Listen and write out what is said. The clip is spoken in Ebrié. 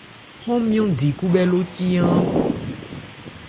Hɔ́n nmyɔ̂n di khúbhɛ́ ló cí áán.